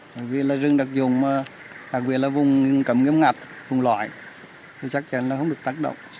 bởi vì là rừng đặc dụng đặc biệt là vùng cầm nghiêm ngặt vùng loại thì chắc chắn là không được tác động